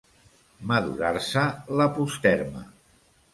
Madurar-se la posterma.